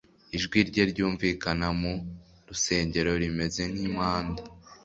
Ijwi rye ryumvikana mu rusengero rimeze nk’impanda.